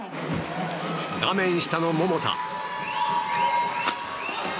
画面下の桃田。